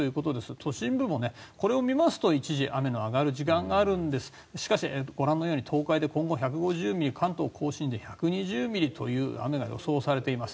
都心部もこれを見ますと一時雨の上がる時間がありますがしかし、東海で今後１５０ミリ関東・甲信で１２０ミリという雨が予想されています。